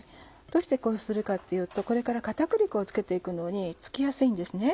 どうしてこうするかっていうとこれから片栗粉を付けて行くのに付きやすいんですね。